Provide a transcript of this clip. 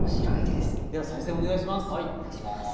では再生お願いします。